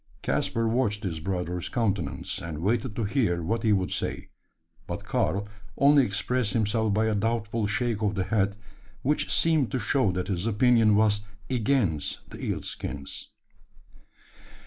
Caspar watched his brother's countenance, and waited to hear what he would say; but Karl only expressed himself by a doubtful shake of the head, which seemed to show that his opinion was against the eel skins.